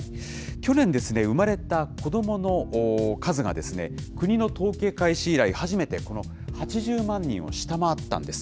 去年、産まれた子どもの数が、国の統計開始以来初めて、この８０万人を下回ったんです。